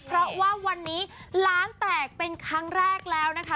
เพราะว่าวันนี้ล้านแตกเป็นครั้งแรกแล้วนะคะ